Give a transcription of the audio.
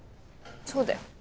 そうだよ。